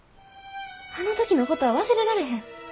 あの時のことは忘れられへん。